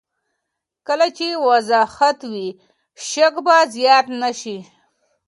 کله چې وضاحت وي، شک به زیات نه شي.